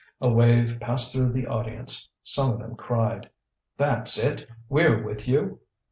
A wave passed through the audience. Some of them cried: "That's it! We're with you."